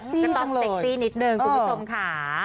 ก็ต้องเซ็กซี่นิดนึงคุณผู้ชมค่ะ